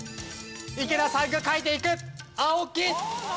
池田さんが書いていく。